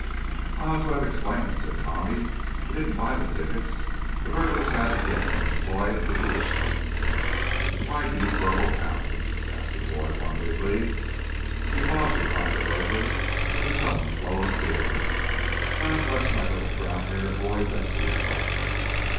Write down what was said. "I ought to have explained," said Tommy. "He didn't buy the tickets." The burglar sat again and toyed with the wishbone. "Why do you burgle houses?" asked the boy, wonderingly. "Because," replied the burglar, with a sudden flow of tears. "God bless my little brown haired boy Bessie at home."